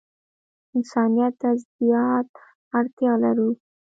انسانیت ته زیاته اړتیا لرو.